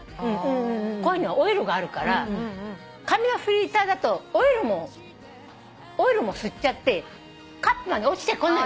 コーヒーにはオイルがあるから紙のフィルターだとオイルも吸っちゃってカップまで落ちてこない。